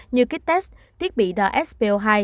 như kit test thiết bị đo spo hai